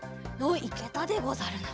いけたでござるな。